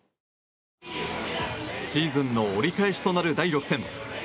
シーズンの折り返しとなる第６戦。